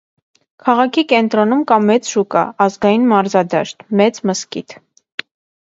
Քաղաքի կենտրոնում կա մեծ շուկա, ազգային մարզադաշտ, մեծ մզկիթ։